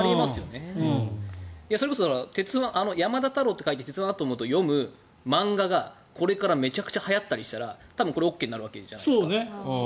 それこそ「山田太郎」と書いて「てつわんあとむ」と読む漫画がこれからめちゃくちゃはやったりしたらこれＯＫになるわけじゃないですか。